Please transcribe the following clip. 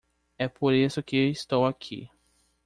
É por isso que estou aqui.